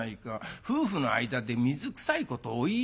夫婦の間で水くさいことをお言いでないよ」。